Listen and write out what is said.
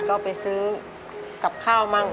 ก็ไปซื้อกับข้าวมั่ง